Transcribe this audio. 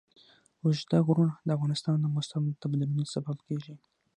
اوږده غرونه د افغانستان د موسم د بدلون سبب کېږي.